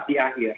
empat di akhir